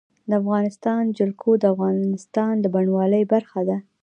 د افغانستان جلکو د افغانستان د بڼوالۍ برخه ده.